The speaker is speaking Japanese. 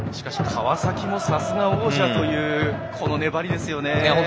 川崎もさすが王者という粘りですよね。